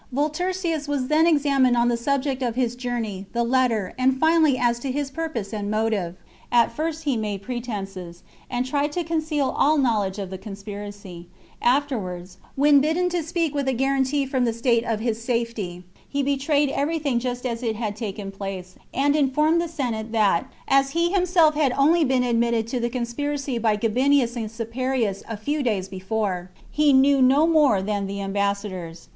Volturcius was then examined on the chap. XLVII. subject of his journey, the letter, and finally as to his purpose and motive. At first he made pretences, and tried to conceal all knowledge of the conspiracy; afterwards, when bidden to speak with a guarantee from the state of his safety, he betrayed everything just as it had taken place, and informed the Senate that, as he himself had only been admitted to the con spiracy by Gabinius and Caeparius a few days before, he knew no more than the ambassadors.